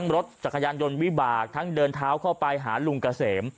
รถจักรยานยนต์วิบากทั้งเดินเท้าเข้าไปหาลุงเกษม